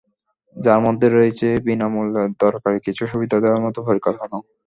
যার মধ্যে রয়েছে বিনা মূল্যে দরকারি কিছু সুবিধা দেওয়ার মতো পরিকল্পনাও।